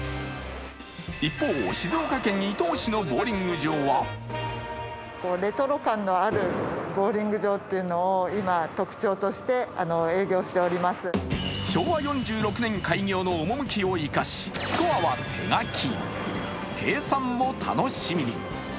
一方、静岡県伊東市のボウリング場は昭和４６年開業の趣を生かし、スコアは手書き、計算も楽しみに。